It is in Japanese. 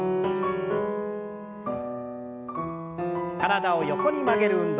体を横に曲げる運動。